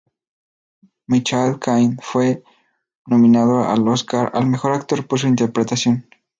Michael Caine fue nominado al Oscar al mejor actor por su interpretación.